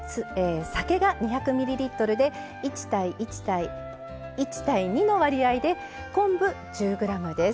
酒が２００ミリリットルで１対１対１対２の割合で昆布１０ｇです。